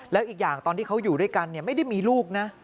แล้วอีกอย่างตอนที่เขาอยู่ด้วยกันไม่ได้มีลูกนะ